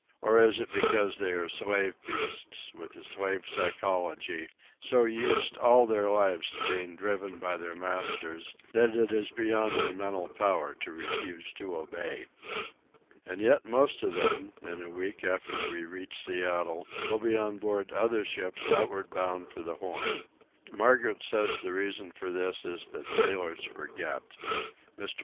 Or is it because they are slave beasts, with a slave psychology, so used all their lives to being driven by their masters that it is beyond their mental power to refuse to obey? And yet most of them, in a week after we reach Seattle, will be on board other ships outward bound for the Horn. Margaret says the reason for this is that sailors forget. Mr.